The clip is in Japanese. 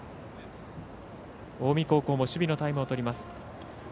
近江高校も守備のタイムをとります。